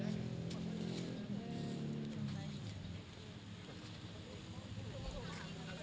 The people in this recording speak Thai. หีกพูดหนึ่ง